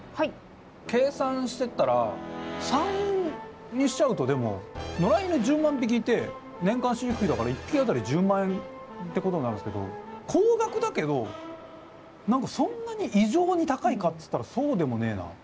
計算してったら③にしちゃうとでも野良犬１０万匹いて年間飼育費だから１匹あたり１０万円ってことになるんですけど高額だけど何かそんなに異常に高いかっつったらそうでもねえな。